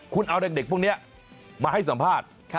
คุณเอาเด็กพวกนี้มาให้สัมภาษณ์